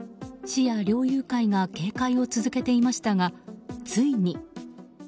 市や猟友会が警戒を続けていましたがついに。